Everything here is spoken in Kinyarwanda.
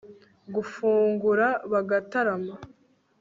gufungura bagatarama